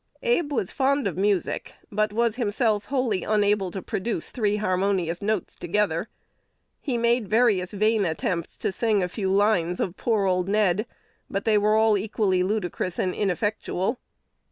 Abe was fond of music, but was himself wholly unable to produce three harmonious notes together. He made various vain attempts to sing a few lines of "Poor old Ned," but they were all equally ludicrous and ineffectual.